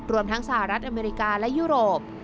รวมทั้งสหรัฐอเมริกาและยุโรป